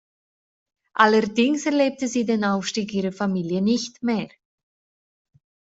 Allerdings erlebte sie den Aufstieg ihrer Familie nicht mehr.